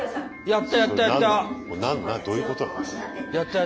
やったやった！